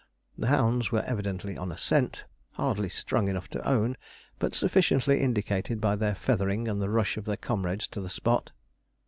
The hounds were evidently on a scent, hardly strong enough to own, but sufficiently indicated by their feathering, and the rush of their comrades to the spot.